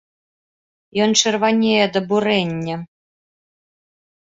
Ён чырванее ад абурэння.